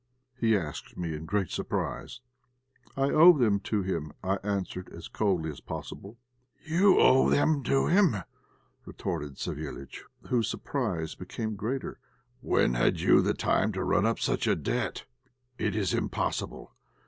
he asked me in great surprise. "I owe them to him," I answered as coldly as possible. "You owe them to him!" retorted Savéliitch, whose surprise became greater. "When had you the time to run up such a debt? It is impossible.